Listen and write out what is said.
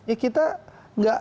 ya kita nggak takut